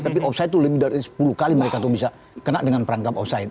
tapi offside itu lebih dari sepuluh kali mereka tuh bisa kena dengan perangkap offside